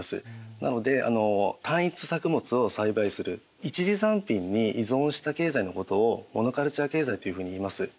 なので単一作物を栽培する一次産品に依存した経済のことをモノカルチャー経済っていうふうにいいます。